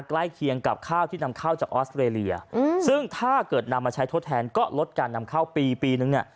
เคียงกับข้าวที่นำเข้าจากออสเตรเลียซึ่งถ้าเกิดนำมาใช้ทดแทนก็ลดการนำเข้าปีปีนึงเนี่ย